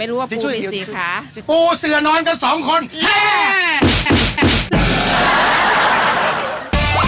พี่น้องก็จะหน้าเหมือนกันมากเลย